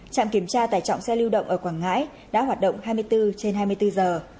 trạm kiểm tra tải trọng xe lưu động ở quảng ngãi đã hoạt động hai mươi bốn trên hai mươi bốn giờ